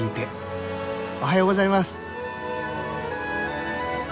おはようございます。